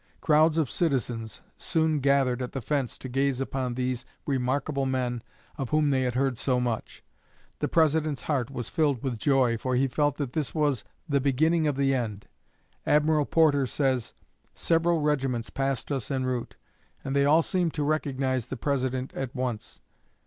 Crowds of citizens soon gathered at the fence to gaze upon these remarkable men of whom they had heard so much. The President's heart was filled with joy, for he felt that this was "the beginning of the end." Admiral Porter says: "Several regiments passed us en route, and they all seemed to recognize the President at once.